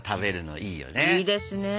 いいですね。